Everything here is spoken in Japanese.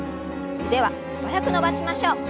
腕は素早く伸ばしましょう。